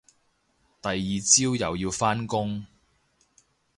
第二朝又要返工